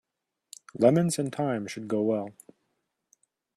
Lemons and thyme should go well.